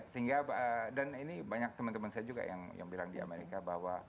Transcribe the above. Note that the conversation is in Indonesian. sehingga dan ini banyak teman teman saya juga yang bilang di amerika bahwa